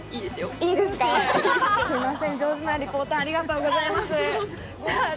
いいですか、すいません、上手なリポートありがとうございます。